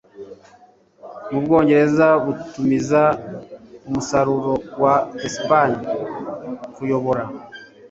Ubwongereza butumiza umusaruro wa Espagne (_kuyobora)